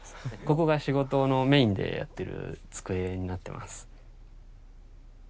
ここが仕事のメインでやってる机になってます。